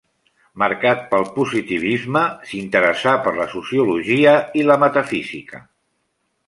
Marcat pel positivisme, s'interessà per la sociologia i la metafísica.